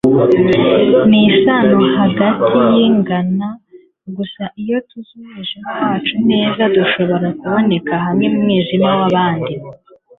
ni isano hagati yingana. gusa iyo tuzi umwijima wacu neza dushobora kuboneka hamwe numwijima wabandi